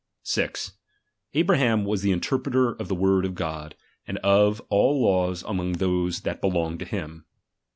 6 Abraham was the interpreter of the word of God, and of all laws among those that belonged to him.